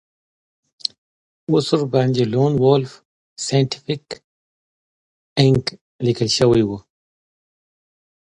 اوس ورباندې لون وولف سایینټیفیک انک لیکل شوي وو